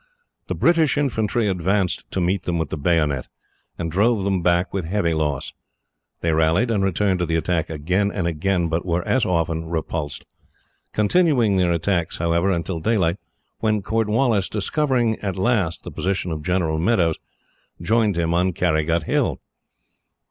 The British infantry advanced to meet them with the bayonet, and drove them back with heavy loss. They rallied, and returned to the attack again and again, but were as often repulsed; continuing their attacks, however, until daylight, when Lord Cornwallis, discovering at last the position of General Meadows, joined him on Carrygut Hill.